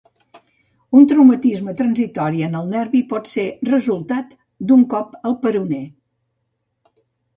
Un traumatisme transitori en el nervi pot ser resultat d'un cop al peroné.